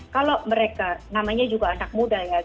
kalau mereka namanya juga anak muda ya